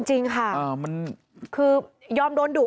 จริงค่ะมันคือยอมโดนดุ